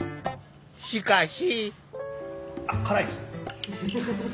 しかし。